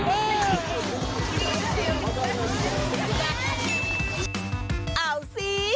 เอาสิ